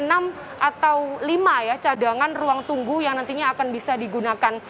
ada lima ya cadangan ruang tunggu yang nantinya akan bisa digunakan